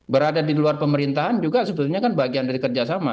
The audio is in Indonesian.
berada di luar pemerintahan juga sebetulnya kan bagian dari kerjasama